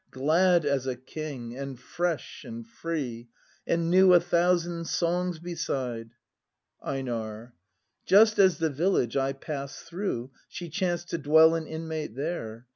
] Glad as a king, and fresh, and free, — And knew a thousand songs beside! EiNAR. Just as the village I pass'd through, She chanced to dwell an inmate there.